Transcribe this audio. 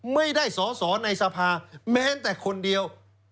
ไม่ได้สในสภาพักประชาธิบัติภักดิ์แม้แต่คนเดียว